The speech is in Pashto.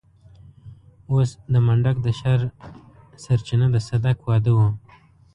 اوس د منډک د شر سرچينه د صدک واده و.